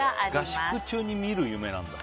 合宿中に見る夢なんだ。